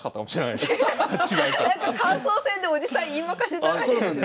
なんか感想戦でおじさん言い負かしてたらしいんですよ昔。